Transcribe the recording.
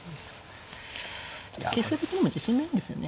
ちょっと形勢的にも自信ないんですよねこちらは。